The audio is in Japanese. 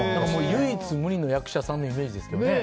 唯一無二の役者さんのイメージですけどね。